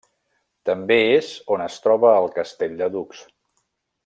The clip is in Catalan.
També és on es troba el Castell de Dux.